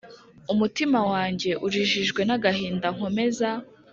Umutima wanjye urijijwe n agahinda nkomeza